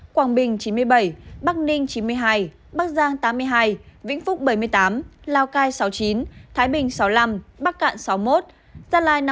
quảng bình chín mươi bảy bắc ninh chín mươi hai bắc giang tám mươi hai vĩnh phúc bảy mươi tám lào cai sáu mươi chín thái bình sáu mươi năm bắc cạn sáu mươi một gia lai